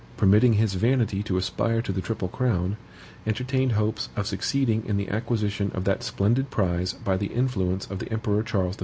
permitting his vanity to aspire to the triple crown,(5) entertained hopes of succeeding in the acquisition of that splendid prize by the influence of the Emperor Charles V.